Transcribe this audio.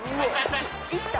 いった？